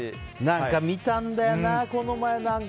見たんだよな、この前。